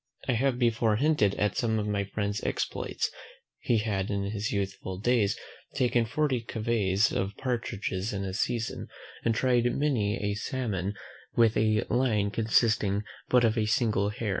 I have before hinted at some of my friend's exploits: he had in his youthful days taken forty coveys of partridges in a season; and tired many a salmon with a line consisting but of a single hair.